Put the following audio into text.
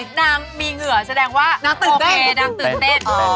แล้วมีเหงื่อแสดงว่านางตื่นเต้น